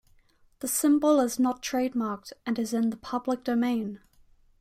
The symbol is not trademarked and is in the public domain.